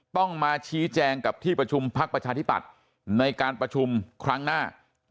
ต้องมาชี้แจงกับที่ประชุมพักประชาธิปัตย์ในการประชุมครั้งหน้า